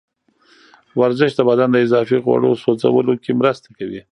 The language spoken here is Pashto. ورزش د بدن د اضافي غوړو سوځولو کې مرسته کوي.